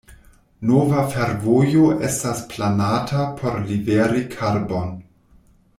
Nova fervojo estas planata por liveri karbon.